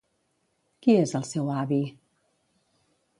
Qui és el seu avi?